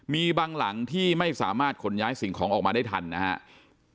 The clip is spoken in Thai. มีบางหลังที่ไม่สามารถขนย้ายสิ่งของออกมาได้ทันนะครับ